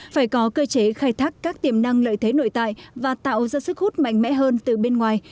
phải có cơ chế khai thác các tiềm năng lợi thế nội tại và tạo ra sức hút mạnh mẽ hơn từ bên ngoài